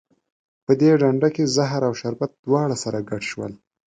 په دې ډنډه کې زهر او شربت دواړه سره ګډ شول.